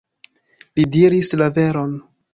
Li diris la veron!..